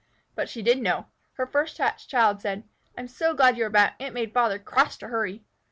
But she did know. Her first hatched child said, "I'm so glad you are back. It made Father cross to hurry."